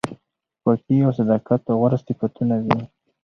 پاکي او صداقت غوره صفتونه دي.